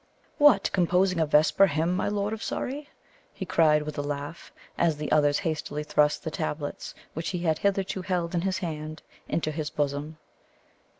"What! composing a vesper hymn, my lord of Surrey?" he cried with a laugh, as the other hastily thrust the tablets, which he had hitherto held in his hand, into his bosom.